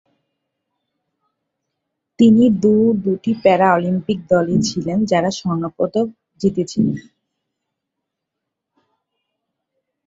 তিনি দু-দুটি para Olympic দলে ছিলেন যারা স্বর্ণ পদক জিতেছিলেন।